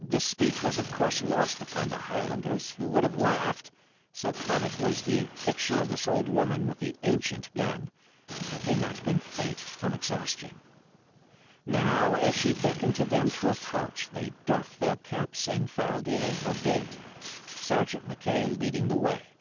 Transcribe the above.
This speech was of course lost upon the Highlanders, who would have laughed—so comic was the picture of this old woman with the ancient gun—had they not been faint from exhaustion. Now, as she beckoned to them to approach, they doffed their caps and filed in at her gate, Sergeant Mackay leading the way.